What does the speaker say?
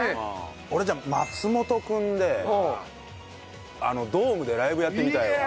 俺じゃあ松本君でドームでライブやってみたいわ。